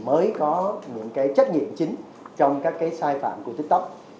mới có những trách nhiệm chính trong các sai phạm của tiktok